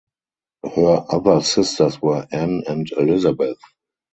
Her other sisters were Anne and Elizabeth.